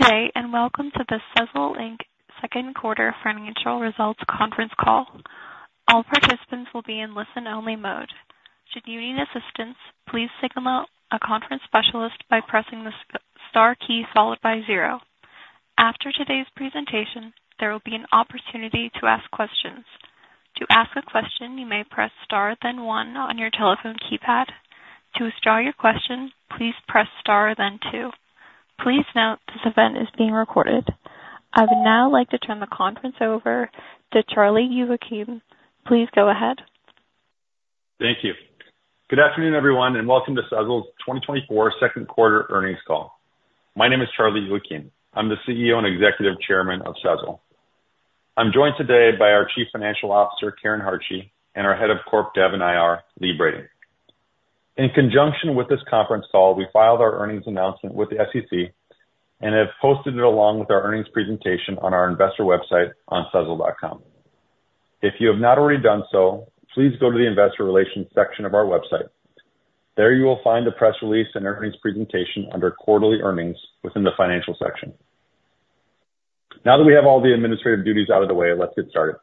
Good day, and welcome to the Sezzle Inc. Second Quarter Financial Results Conference Call. All participants will be in listen-only mode. Should you need assistance, please signal a conference specialist by pressing the star key followed by zero. After today's presentation, there will be an opportunity to ask questions. To ask a question, you may press star then one on your telephone keypad. To start your question, please press star then two. Please note this event is being recorded. I would now like to turn the conference over to Charlie Youakim. Please go ahead. Thank you. Good afternoon, everyone, and welcome to Sezzle's 2024 Second Quarter Earnings Call. My name is Charlie Youakim. I'm the CEO and Executive Chairman of Sezzle. I'm joined today by our Chief Financial Officer, Karen Hartje, and our Head of Corp Dev and IR, Lee Brading. In conjunction with this conference call, we filed our earnings announcement with the SEC and have posted it along with our earnings presentation on our investor website on sezzle.com. If you have not already done so, please go to the Investor Relations section of our website. There you will find the press release and earnings presentation under Quarterly Earnings within the Financial section. Now that we have all the administrative duties out of the way, let's get started.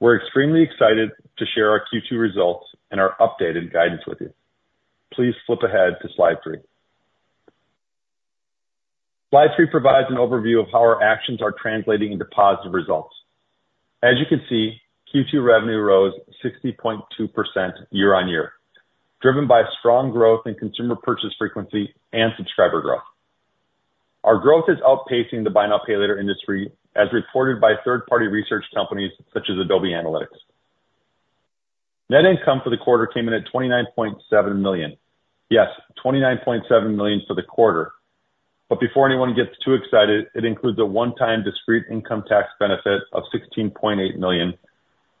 We're extremely excited to share our Q2 results and our updated guidance with you. Please flip ahead to slide three. Slide three provides an overview of how our actions are translating into positive results. As you can see, Q2 revenue rose 60.2% year on year, driven by strong growth in consumer purchase frequency and subscriber growth. Our growth is outpacing the buy now, pay later industry, as reported by third-party research companies such as Adobe Analytics. Net income for the quarter came in at $29.7 million. Yes, $29.7 million for the quarter. But before anyone gets too excited, it includes a one-time discrete income tax benefit of $16.8 million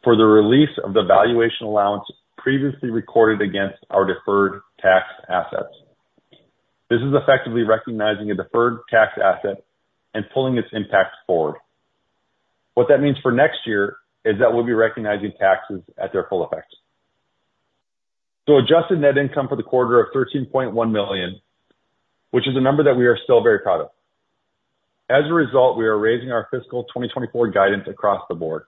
for the release of the valuation allowance previously recorded against our deferred tax assets. This is effectively recognizing a deferred tax asset and pulling its impact forward. What that means for next year is that we'll be recognizing taxes at their full effect. Adjusted net income for the quarter of $13.1 million, which is a number that we are still very proud of. As a result, we are raising our fiscal 2024 guidance across the board.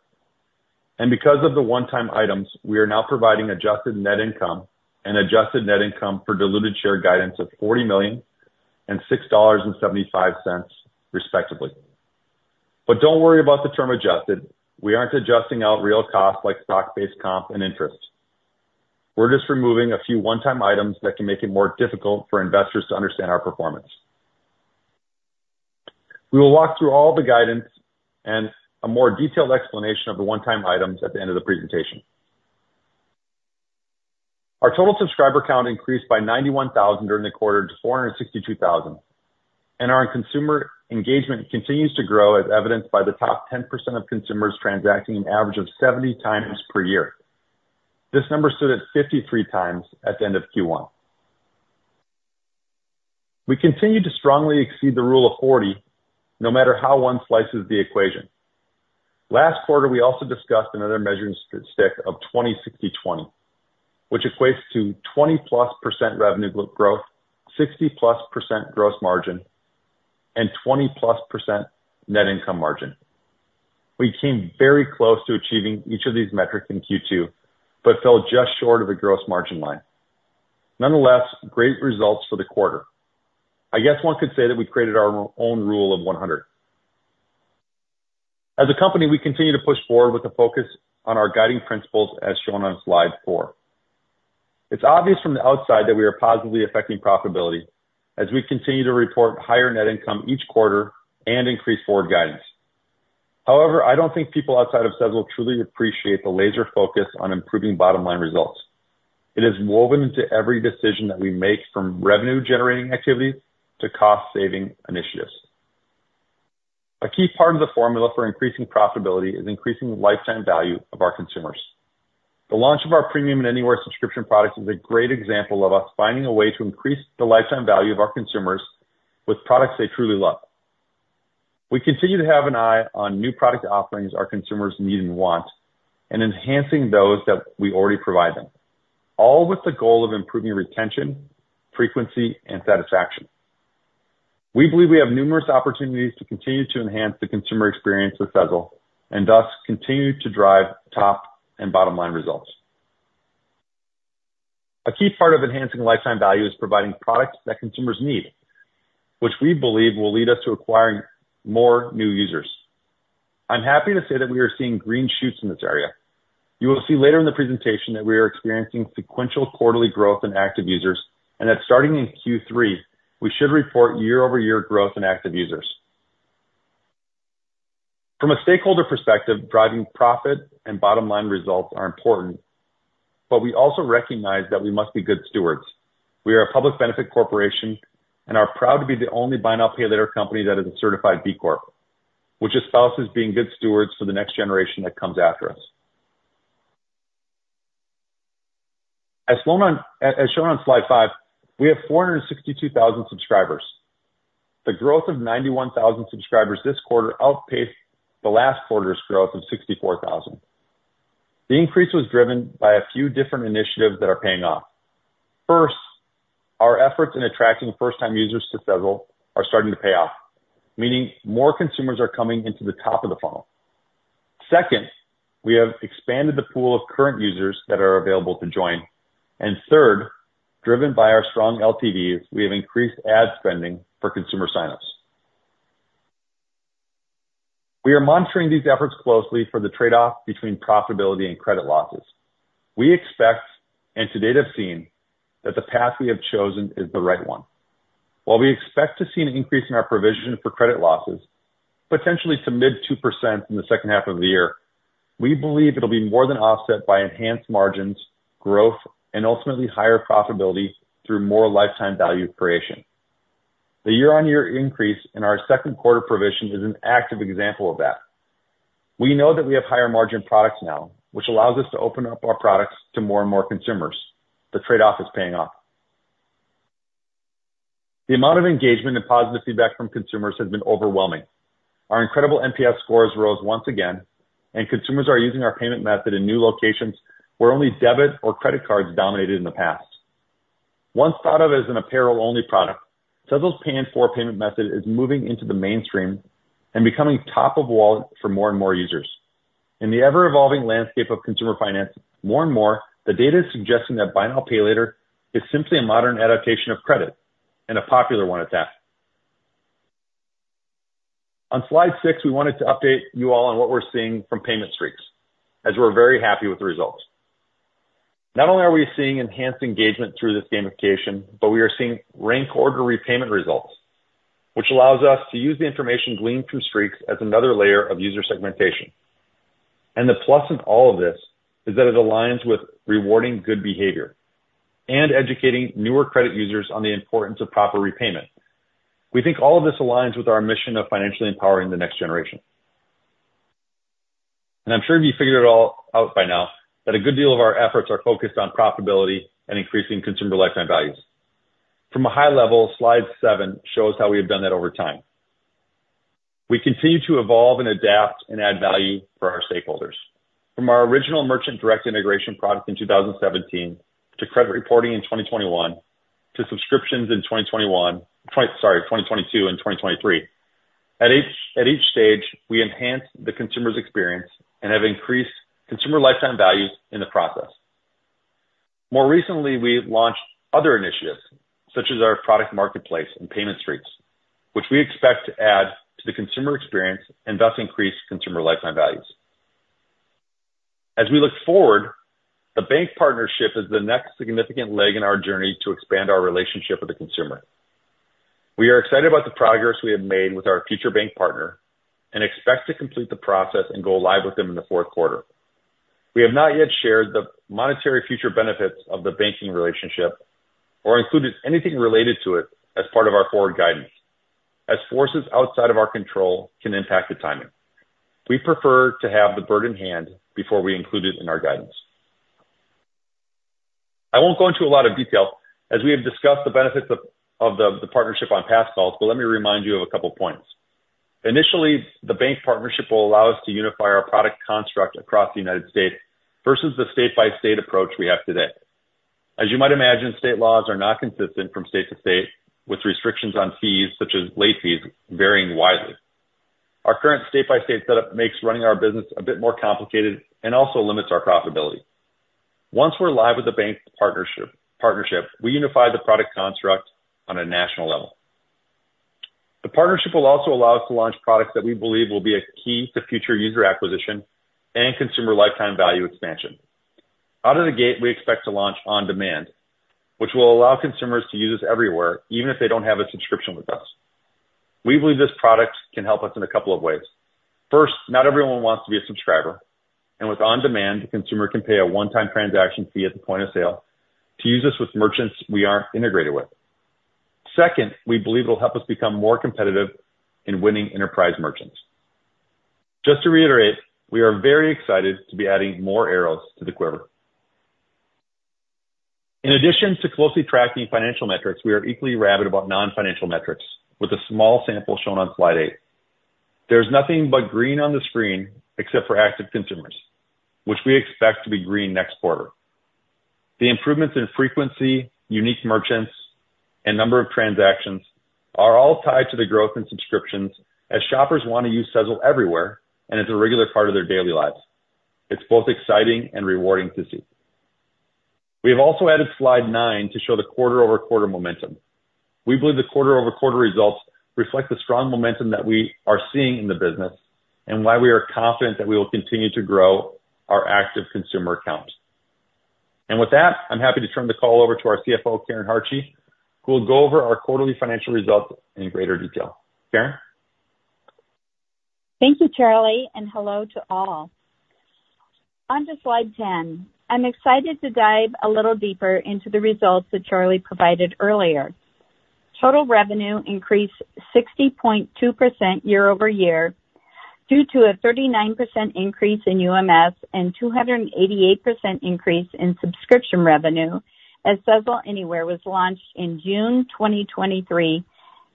Because of the one-time items, we are now providing adjusted net income and adjusted net income per diluted share guidance of $40 million and $6.75, respectively. Don't worry about the term adjusted. We aren't adjusting out real costs like stock-based comp and interest. We're just removing a few one-time items that can make it more difficult for investors to understand our performance. We will walk through all the guidance and a more detailed explanation of the one-time items at the end of the presentation. Our total subscriber count increased by 91,000 during the quarter to 462,000. And our consumer engagement continues to grow, as evidenced by the top 10% of consumers transacting an average of 70 times per year. This number stood at 53 times at the end of Q1. We continue to strongly exceed the Rule of 40, no matter how one slices the equation. Last quarter, we also discussed another measuring stick of 20/60/20, which equates to 20-plus% revenue growth, 60-plus% gross margin, and 20-plus% net income margin. We came very close to achieving each of these metrics in Q2, but fell just short of the gross margin line. Nonetheless, great results for the quarter. I guess one could say that we created our own Rule of 100. As a company, we continue to push forward with a focus on our guiding principles, as shown on slide four. It's obvious from the outside that we are positively affecting profitability as we continue to report higher net income each quarter and increase forward guidance. However, I don't think people outside of Sezzle truly appreciate the laser focus on improving bottom-line results. It is woven into every decision that we make, from revenue-generating activities to cost-saving initiatives. A key part of the formula for increasing profitability is increasing the lifetime value of our consumers. The launch of ourPremium and Anywhere subscription products is a great example of us finding a way to increase the lifetime value of our consumers with products they truly love. We continue to have an eye on new product offerings our consumers need and want, and enhancing those that we already provide them, all with the goal of improving retention, frequency, and satisfaction. We believe we have numerous opportunities to continue to enhance the consumer experience with Sezzle and thus continue to drive top and bottom-line results. A key part of enhancing lifetime value is providing products that consumers need, which we believe will lead us to acquiring more new users. I'm happy to say that we are seeing green shoots in this area. You will see later in the presentation that we are experiencing sequential quarterly growth in active users and that starting in Q3, we should report year-over-year growth in active users. From a stakeholder perspective, driving profit and bottom-line results are important, but we also recognize that we must be good stewards. We are a public benefit corporation and are proud to be the only buy now, pay later company that is a certified B Corp, which espouses being good stewards for the next generation that comes after us. As shown on slide five, we have 462,000 subscribers. The growth of 91,000 subscribers this quarter outpaced the last quarter's growth of 64,000. The increase was driven by a few different initiatives that are paying off. First, our efforts in attracting first-time users to Sezzle are starting to pay off, meaning more consumers are coming into the top of the funnel. Second, we have expanded the pool of current users that are available to join. And third, driven by our strong LTVs, we have increased ad spending for consumer signups. We are monitoring these efforts closely for the trade-off between profitability and credit losses. We expect, and to date have seen, that the path we have chosen is the right one. While we expect to see an increase in our provision for credit losses, potentially to mid-2% in the second half of the year, we believe it'll be more than offset by enhanced margins, growth, and ultimately higher profitability through more lifetime value creation. The year-on-year increase in our second quarter provision is an active example of that. We know that we have higher margin products now, which allows us to open up our products to more and more consumers. The trade-off is paying off. The amount of engagement and positive feedback from consumers has been overwhelming. Our incredible NPS scores rose once again, and consumers are using our payment method in new locations where only debit or credit cards dominated in the past. Once thought of as an apparel-only product, Sezzle's Pay-in-4 payment method is moving into the mainstream and becoming top of wallet for more and more users. In the ever-evolving landscape of consumer finance, more and more, the data is suggesting that buy now, pay later is simply a modern adaptation of credit and a popular one at that. On slide six, we wanted to update you all on what we're seeing from Payment Streaks, as we're very happy with the results. Not only are we seeing enhanced engagement through this gamification, but we are seeing rank-order repayment results, which allows us to use the information gleaned through streaks as another layer of user segmentation. And the plus in all of this is that it aligns with rewarding good behavior and educating newer credit users on the importance of proper repayment. We think all of this aligns with our mission of financially empowering the next generation. I'm sure you figured it all out by now that a good deal of our efforts are focused on profitability and increasing consumer lifetime values. From a high level, slide seven shows how we have done that over time. We continue to evolve and adapt and add value for our stakeholders. From our original merchant direct integration product in 2017 to credit reporting in 2021 to subscriptions in 2021, sorry, 2022 and 2023, at each stage, we enhanced the consumer's experience and have increased consumer lifetime values in the process. More recently, we launched other initiatives, such as our product marketplace and payment streaks, which we expect to add to the consumer experience and thus increase consumer lifetime values. As we look forward, the bank partnership is the next significant leg in our journey to expand our relationship with the consumer. We are excited about the progress we have made with our future bank partner and expect to complete the process and go live with them in the fourth quarter. We have not yet shared the monetary future benefits of the banking relationship or included anything related to it as part of our forward guidance, as forces outside of our control can impact the timing. We prefer to have the bird in hand before we include it in our guidance. I won't go into a lot of detail as we have discussed the benefits of the partnership on past calls, but let me remind you of a couple of points. Initially, the bank partnership will allow us to unify our product construct across the United States versus the state-by-state approach we have today. As you might imagine, state laws are not consistent from state to state, with restrictions on fees, such as late fees, varying widely. Our current state-by-state setup makes running our business a bit more complicated and also limits our profitability. Once we're live with the bank partnership, we unify the product construct on a national level. The partnership will also allow us to launch products that we believe will be a key to future user acquisition and consumer lifetime value expansion. Out of the gate, we expect to launch On-Demand, which will allow consumers to use us everywhere, even if they don't have a subscription with us. We believe this product can help us in a couple of ways. First, not everyone wants to be a subscriber, and with On-Demand, the consumer can pay a one-time transaction fee at the point of sale to use us with merchants we aren't integrated with. Second, we believe it'll help us become more competitive in winning enterprise merchants. Just to reiterate, we are very excited to be adding more arrows to the quiver. In addition to closely tracking financial metrics, we are equally rabid about non-financial metrics, with a small sample shown on slide eight. There's nothing but green on the screen except for active consumers, which we expect to be green next quarter. The improvements in frequency, unique merchants, and number of transactions are all tied to the growth in subscriptions as shoppers want to use Sezzle everywhere and it's a regular part of their daily lives. It's both exciting and rewarding to see. We have also added slide nine to show the quarter-over-quarter momentum. We believe the quarter-over-quarter results reflect the strong momentum that we are seeing in the business and why we are confident that we will continue to grow our active consumer accounts. And with that, I'm happy to turn the call over to our CFO, Karen Hartje, who will go over our quarterly financial results in greater detail. Karen? Thank you, Charlie, and hello to all. Onto slide 10. I'm excited to dive a little deeper into the results that Charlie provided earlier. Total revenue increased 60.2% year-over-year due to a 39% increase in UMS and 288% increase in subscription revenue as Sezzle Anywhere was launched in June 2023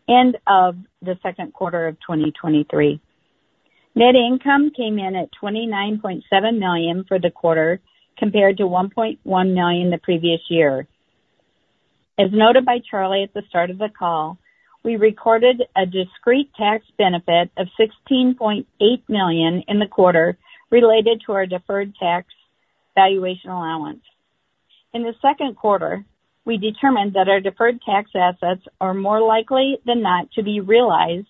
and of the second quarter of 2023. Net income came in at $29.7 million for the quarter compared to $1.1 million the previous year. As noted by Charlie at the start of the call, we recorded a discrete tax benefit of $16.8 million in the quarter related to our deferred tax valuation allowance. In the second quarter, we determined that our deferred tax assets are more likely than not to be realized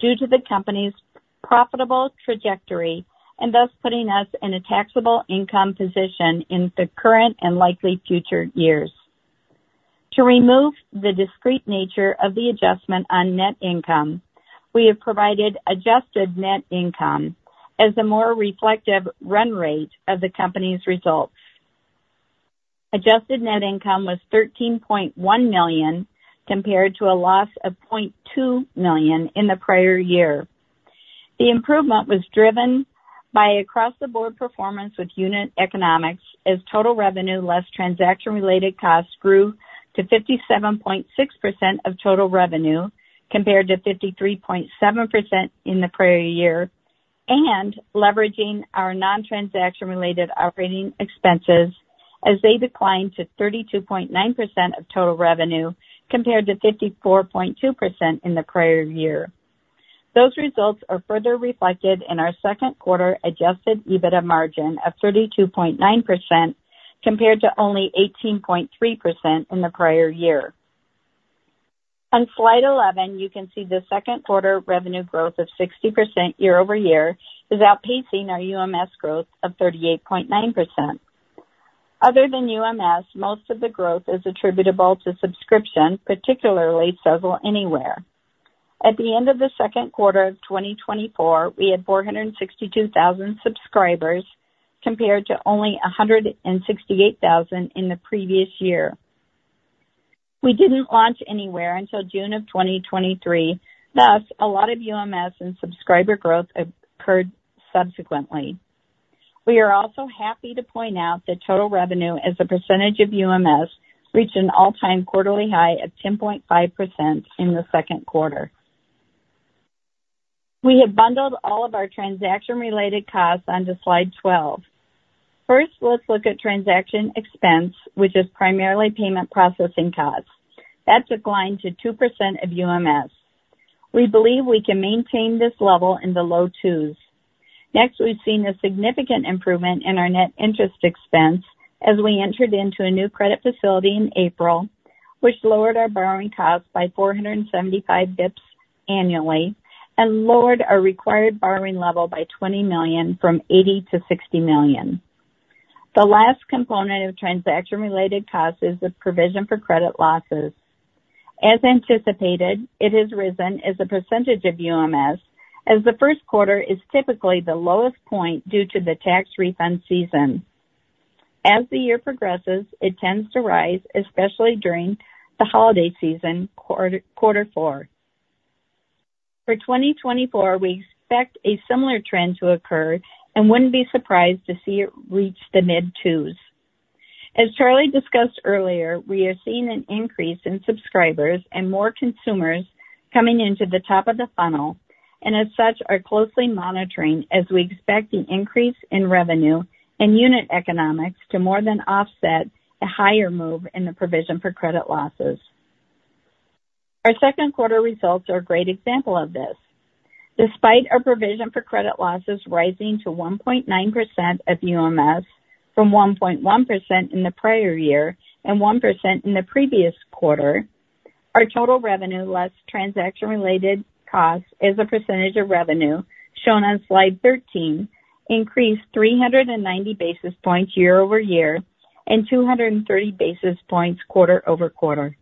due to the company's profitable trajectory and thus putting us in a taxable income position in the current and likely future years. To remove the discrete nature of the adjustment on net income, we have provided adjusted net income as a more reflective run rate of the company's results. Adjusted net income was $13.1 million compared to a loss of $0.2 million in the prior year. The improvement was driven by across-the-board performance with unit economics as total revenue less transaction-related costs grew to 57.6% of total revenue compared to 53.7% in the prior year and leveraging our non-transaction-related operating expenses as they declined to 32.9% of total revenue compared to 54.2% in the prior year. Those results are further reflected in our second quarter Adjusted EBITDA margin of 32.9% compared to only 18.3% in the prior year. On Slide 11, you can see the second quarter revenue growth of 60% year-over-year is outpacing our UMS growth of 38.9%. Other than UMS, most of the growth is attributable to subscription, particularly Sezzle Anywhere. At the end of the second quarter of 2024, we had 462,000 subscribers compared to only 168,000 in the previous year. We didn't launch Anywhere until June of 2023. Thus, a lot of UMS and subscriber growth occurred subsequently. We are also happy to point out that total revenue as a percentage of UMS reached an all-time quarterly high of 10.5% in the second quarter. We have bundled all of our transaction-related costs onto slide 12. First, let's look at transaction expense, which is primarily payment processing costs. That declined to 2% of UMS. We believe we can maintain this level in the low twos. Next, we've seen a significant improvement in our net interest expense as we entered into a new credit facility in April, which lowered our borrowing costs by 475 basis points annually and lowered our required borrowing level by $20 million from $80 million to $60 million. The last component of transaction-related costs is the provision for credit losses. As anticipated, it has risen as a percentage of UMS, as the first quarter is typically the lowest point due to the tax refund season. As the year progresses, it tends to rise, especially during the holiday season, quarter four. For 2024, we expect a similar trend to occur and wouldn't be surprised to see it reach the mid twos. As Charlie discussed earlier, we are seeing an increase in subscribers and more consumers coming into the top of the funnel, and as such, are closely monitoring as we expect the increase in revenue and unit economics to more than offset a higher move in the provision for credit losses. Our second quarter results are a great example of this. Despite our provision for credit losses rising to 1.9% of UMS from 1.1% in the prior year and 1% in the previous quarter, our total revenue less transaction-related costs as a percentage of revenue shown on slide 13 increased 390 basis points year-over-year and 230 basis points quarter-over-quarter.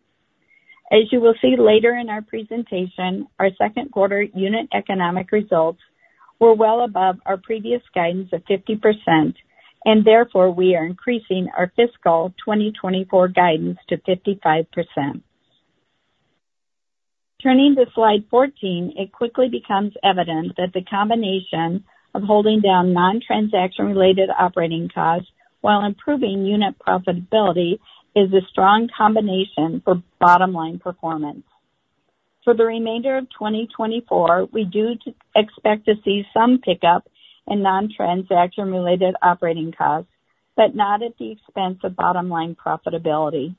As you will see later in our presentation, our second quarter unit economic results were well above our previous guidance of 50%, and therefore we are increasing our fiscal 2024 guidance to 55%. Turning to slide 14, it quickly becomes evident that the combination of holding down non-transaction-related operating costs while improving unit profitability is a strong combination for bottom-line performance. For the remainder of 2024, we do expect to see some pickup in non-transaction-related operating costs, but not at the expense of bottom-line profitability.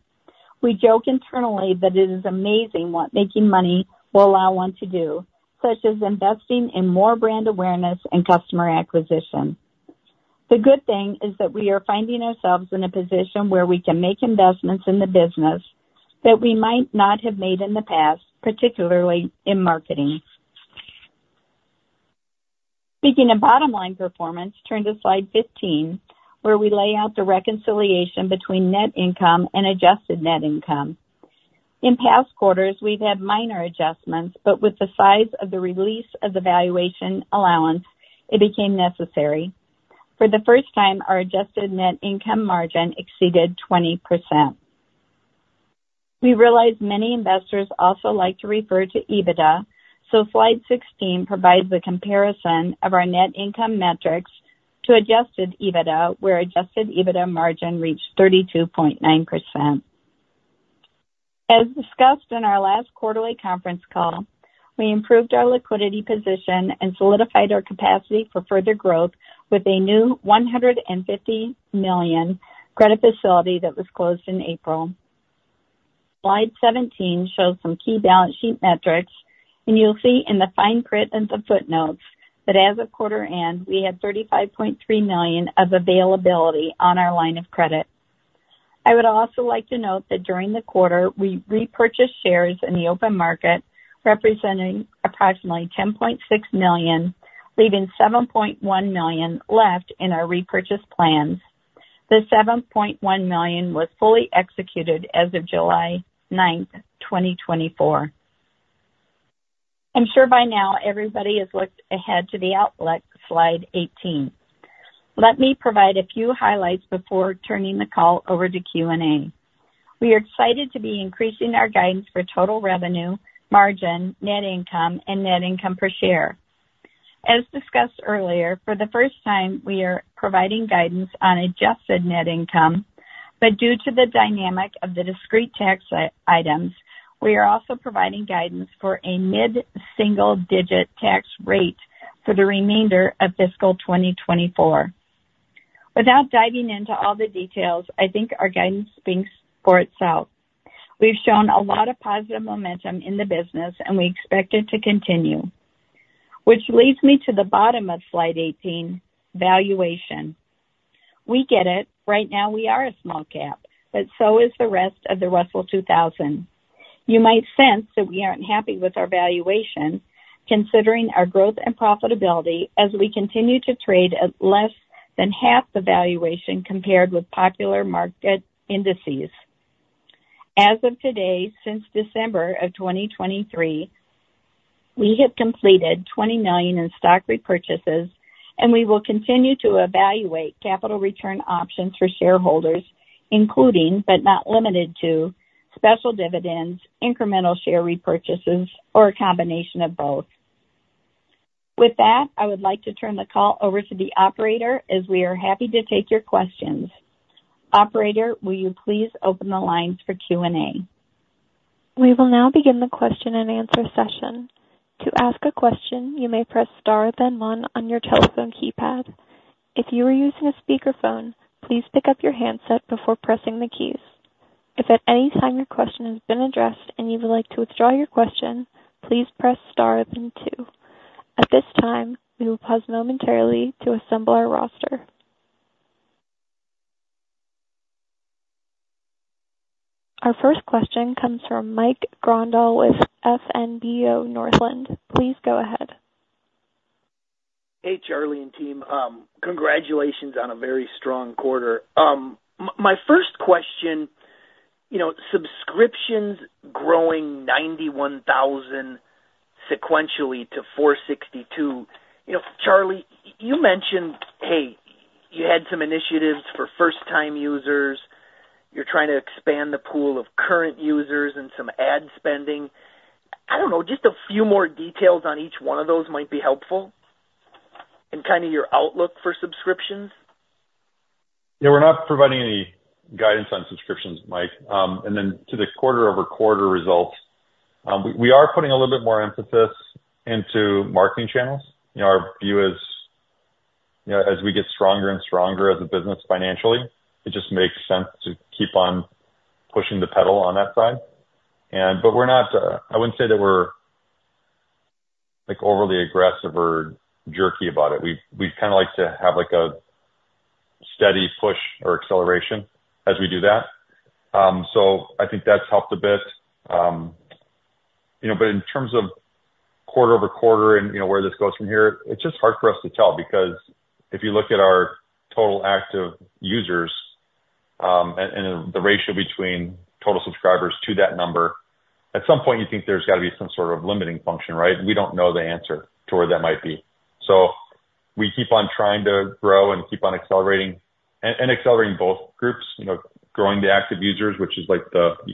We joke internally that it is amazing what making money will allow one to do, such as investing in more brand awareness and customer acquisition. The good thing is that we are finding ourselves in a position where we can make investments in the business that we might not have made in the past, particularly in marketing. Speaking of bottom-line performance, turn to slide 15, where we lay out the reconciliation between net income and adjusted net income. In past quarters, we've had minor adjustments, but with the size of the release of the valuation allowance, it became necessary. For the first time, our adjusted net income margin exceeded 20%. We realize many investors also like to refer to EBITDA, so slide 16 provides the comparison of our net income metrics to adjusted EBITDA, where adjusted EBITDA margin reached 32.9%. As discussed in our last quarterly conference call, we improved our liquidity position and solidified our capacity for further growth with a new $150 million credit facility that was closed in April. Slide 17 shows some key balance sheet metrics, and you'll see in the fine print and the footnotes that as of quarter end, we had $35.3 million of availability on our line of credit. I would also like to note that during the quarter, we repurchased shares in the open market, representing approximately 10.6 million, leaving 7.1 million left in our repurchase plans. The 7.1 million was fully executed as of July 9, 2024. I'm sure by now everybody has looked ahead to the outlook, slide 18. Let me provide a few highlights before turning the call over to Q&A. We are excited to be increasing our guidance for total revenue, margin, net income, and net income per share. As discussed earlier, for the first time, we are providing guidance on adjusted net income, but due to the dynamic of the discrete tax items, we are also providing guidance for a mid-single-digit tax rate for the remainder of fiscal 2024. Without diving into all the details, I think our guidance speaks for itself. We've shown a lot of positive momentum in the business, and we expect it to continue. Which leads me to the bottom of slide 18, valuation. We get it. Right now, we are a small cap, but so is the rest of the Russell 2000. You might sense that we aren't happy with our valuation, considering our growth and profitability as we continue to trade at less than half the valuation compared with popular market indices. As of today, since December of 2023, we have completed $20 million in stock repurchases, and we will continue to evaluate capital return options for shareholders, including but not limited to special dividends, incremental share repurchases, or a combination of both. With that, I would like to turn the call over to the operator, as we are happy to take your questions. Operator, will you please open the lines for Q&A? We will now begin the question and answer session. To ask a question, you may press star then one on your telephone keypad. If you are using a speakerphone, please pick up your handset before pressing the keys. If at any time your question has been addressed and you would like to withdraw your question, please press star then two. At this time, we will pause momentarily to assemble our roster. Our first question comes from Mike Grondahl with Northland. Please go ahead. Hey, Charlie and team. Congratulations on a very strong quarter. My first question, you know, subscriptions growing 91,000 sequentially to 462. You know, Charlie, you mentioned, hey, you had some initiatives for first-time users. You're trying to expand the pool of current users and some ad spending. I don't know, just a few more details on each one of those might be helpful in kind of your outlook for subscriptions. Yeah, we're not providing any guidance on subscriptions, Mike. And then to the quarter-over-quarter results, we are putting a little bit more emphasis into marketing channels. You know, our view is, you know, as we get stronger and stronger as a business financially, it just makes sense to keep on pushing the pedal on that side. And, but we're not, I wouldn't say that we're like overly aggressive or jerky about it. We kind of like to have like a steady push or acceleration as we do that. So I think that's helped a bit. You know, but in terms of quarter-over-quarter and, you know, where this goes from here, it's just hard for us to tell because if you look at our total active users and the ratio between total subscribers to that number, at some point you think there's got to be some sort of limiting function, right? We don't know the answer to where that might be. So we keep on trying to grow and keep on accelerating and accelerating both groups, you know, growing the active users, which you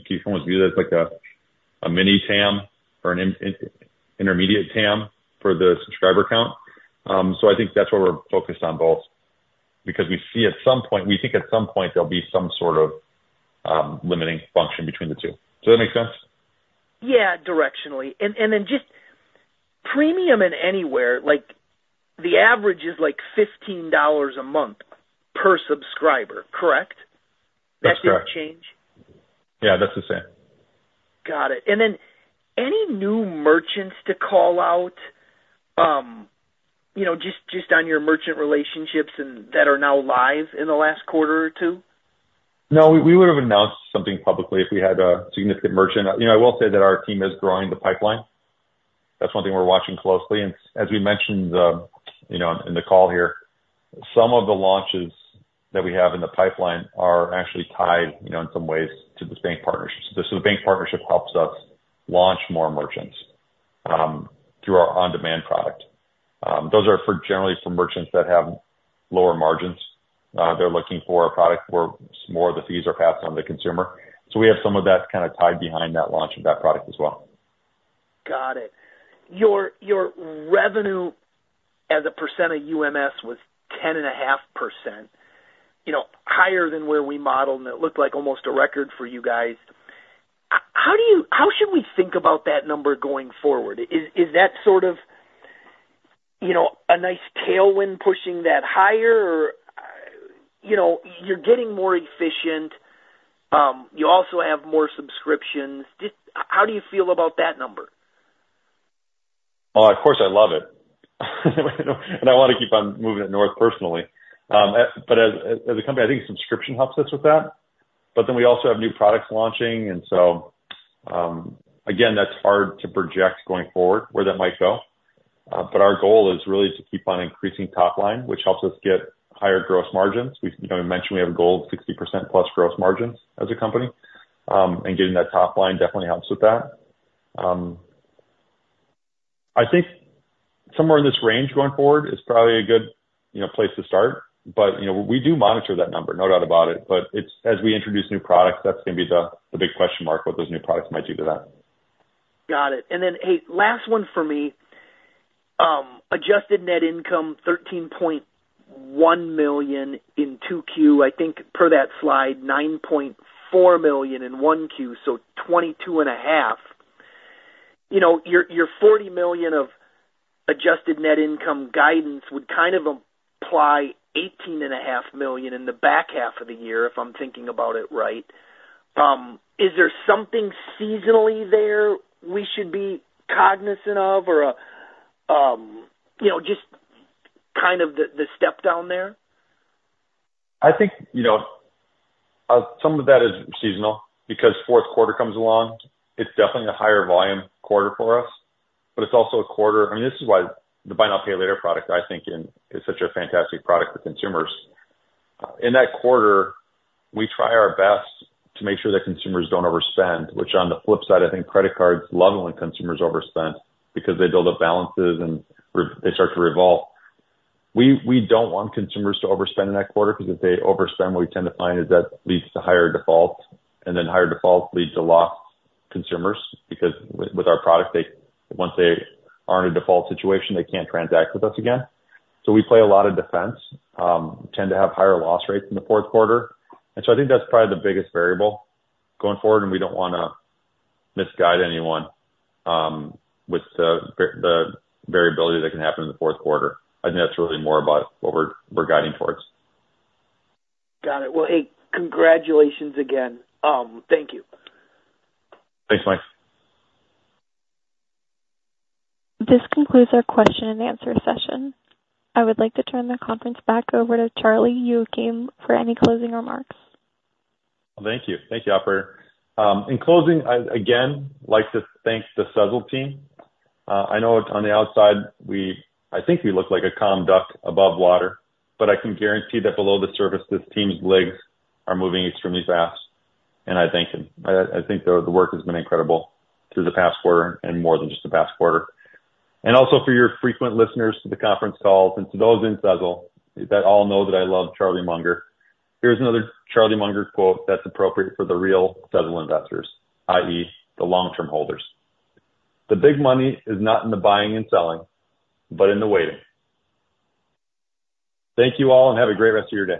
keep in view that's like a mini TAM or an intermediate TAM for the subscriber count. So I think that's why we're focused on both because we see at some point, we think at some point there'll be some sort of limiting function between the two. Does that make sense? Yeah, directionally. Then just Premium and Anywhere, like the average is like $15 a month per subscriber, correct? That's that change? Yeah, that's the same. Got it. And then any new merchants to call out, you know, just on your merchant relationships and that are now live in the last quarter or two? No, we would have announced something publicly if we had a significant merchant. You know, I will say that our team is growing the pipeline. That's one thing we're watching closely. And as we mentioned, you know, in the call here, some of the launches that we have in the pipeline are actually tied, you know, in some ways to the bank partnerships. So the bank partnership helps us launch more merchants through our On-Demand product. Those are generally for merchants that have lower margins. They're looking for a product where more of the fees are passed on to the consumer. So we have some of that kind of tied behind that launch of that product as well. Got it. Your revenue as a percent of UMS was 10.5%, you know, higher than where we modeled and it looked like almost a record for you guys. How do you, how should we think about that number going forward? Is that sort of, you know, a nice tailwind pushing that higher or, you know, you're getting more efficient, you also have more subscriptions. How do you feel about that number? Well, of course, I love it. And I want to keep on moving it north personally. But as a company, I think subscription helps us with that. But then we also have new products launching. Again, that's hard to project going forward where that might go. But our goal is really to keep on increasing top line, which helps us get higher gross margins. You know, we mentioned we have a goal of 60% plus gross margins as a company. And getting that top line definitely helps with that. I think somewhere in this range going forward is probably a good, you know, place to start. But, you know, we do monitor that number, no doubt about it. But it's as we introduce new products, that's going to be the big question mark what those new products might do to that. Got it. Hey, last one for me, adjusted net income $13.1 million in 2Q. I think per that slide, $9.4 million in 1Q, so $22.5 million. You know, your $40 million of adjusted net income guidance would kind of apply $18.5 million in the back half of the year if I'm thinking about it right. Is there something seasonally there we should be cognizant of or, you know, just kind of the step down there? I think, you know, some of that is seasonal because fourth quarter comes along. It's definitely a higher volume quarter for us. But it's also a quarter, I mean, this is why the buy now pay later product, I think, is such a fantastic product for consumers. In that quarter, we try our best to make sure that consumers don't overspend, which on the flip side, I think credit cards love when consumers overspend because they build up balances and they start to revolve. We don't want consumers to overspend in that quarter because if they overspend, what we tend to find is that leads to higher default. And then higher default leads to lost consumers because with our product, once they are in a default situation, they can't transact with us again. So we play a lot of defense, tend to have higher loss rates in the fourth quarter. And so I think that's probably the biggest variable going forward, and we don't want to misguide anyone with the variability that can happen in the fourth quarter. I think that's really more about what we're guiding towards. Got it. Well, hey, congratulations again. Thank you. Thanks, Mike. This concludes our question and answer session. I would like to turn the conference back over to Charlie. You have any closing remarks? Thank you. Thank you, Operator. In closing, I'd again like to thank the Sezzle team. I know on the outside, I think we look like a calm duck above water, but I can guarantee that below the surface, this team's legs are moving extremely fast, and I thank them. I think the work has been incredible through the past quarter and more than just the past quarter, and also for your frequent listeners to the conference calls and to those in Sezzle, that all know that I love Charlie Munger. Here's another Charlie Munger quote that's appropriate for the real Sezzle investors, i.e., the long-term holders. "The big money is not in the buying and selling, but in the waiting." Thank you all and have a great rest of your day.